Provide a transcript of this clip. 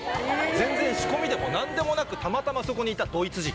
全然仕込みでも何でもなくたまたまそこにいたドイツ人。